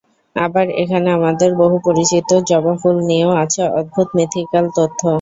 আবার এখানে আমাদের বহু পরিচিত জবা ফুল নিয়েও আছে অদ্ভুত মিথিক্যাল তথ্য।